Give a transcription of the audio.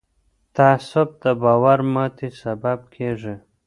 تعصب د باور ماتې سبب کېږي